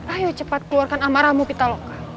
ayo cepat keluarkan amarahmu pitaloka